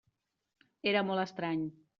Era molt estrany.